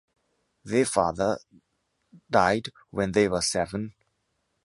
Their father died when they were seven.